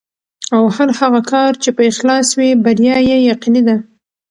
او هر هغه کار چې په اخلاص وي، بریا یې یقیني ده.